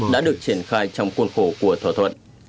đã được triển khai trong khuôn khổ của thỏa thuận